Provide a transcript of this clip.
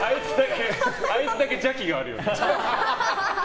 あいつだけ邪気がある。